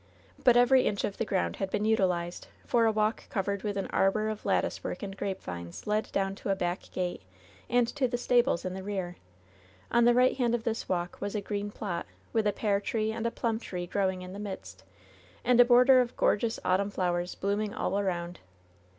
But every inch of the ground had been utilized, for a walk covered with an arbor of latticework and grapevines led down to a back gate and to the stables in the rear. On the right hand of this walk was a green plot, with a pear tree and a plum tree growing in the midst, and a border of gor geous autumn flowers blooming all around.